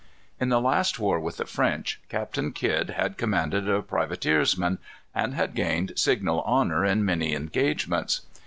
In the last war with the French, Captain Kidd had commanded a privateersman, and had gained signal honor in many engagements.